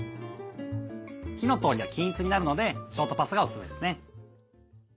火の通りが均一になるのでショートパスタがおすすめですね。